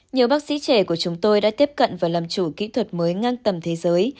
nhiều bác sĩ trẻ của chúng tôi đã tiếp cận và làm chủ kỹ thuật mới ngang tầm thế giới